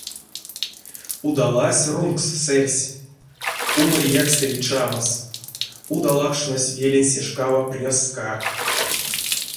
Удалась рунгс-сэрьс, умарь якстере чамас, удалакшнось велень се шкава превскак.